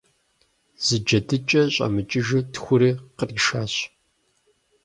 Зы джэдыкӀи щӀэмыкӀыжу тхури къришащ.